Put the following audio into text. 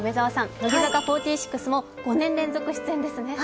乃木坂４６も５年連続出演ですね